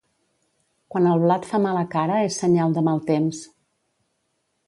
Quan el blat fa mala cara és senyal de mal temps.